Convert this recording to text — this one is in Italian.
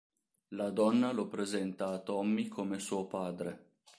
La donna lo presenta a Tommy come suo padre.